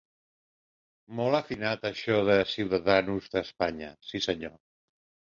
Molt afinat això de "Ciudadanos de España", sí senyor!